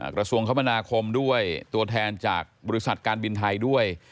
กระทรวงคมนาคมด้วยตัวแทนจากบริษัทการบินไทยด้วย